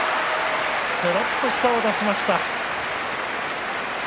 ぺろっと舌を出しました。